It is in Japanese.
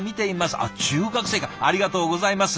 あっ中学生からありがとうございます。